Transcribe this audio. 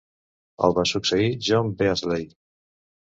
El va succeir John Beazley.